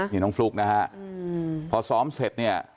นี่น้องฟลุ๊กนะฮะพอซ้อมเสร็จเนี่ย